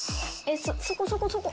ｓそこそこそこ。